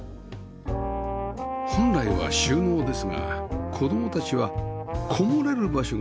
本来は収納ですが子供たちはこもれる場所が大好き